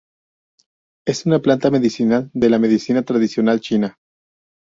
Es una planta medicinal de la medicina tradicional china.